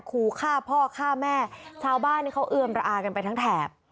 ขู่ฆ่าพ่อฆ่าแม่ชาวบ้านนี่เขาเอือมระอากันไปทั้งแถบ